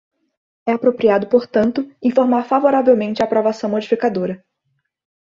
É apropriado, portanto, informar favoravelmente a aprovação modificadora.